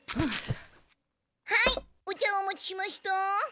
はいお茶をお持ちしました。